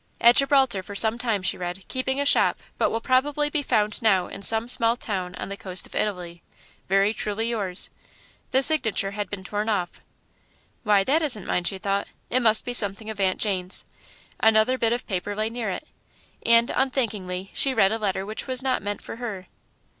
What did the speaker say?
"At Gibraltar for some time," she read, "keeping a shop, but will probably be found now in some small town on the coast of Italy. Very truly yours." The signature had been torn off. "Why, that isn't mine," she thought. "It must be something of Aunt Jane's." Another bit of paper lay near it, and, unthinkingly, she read a letter which was not meant for her.